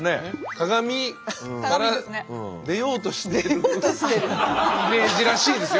鏡から出ようとしてるイメージらしいですよ。